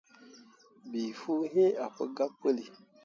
Bii fuu iŋ ah pu gabe puli.